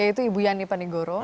yaitu ibu yani panigoro